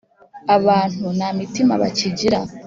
Abantu nta mitima bakigira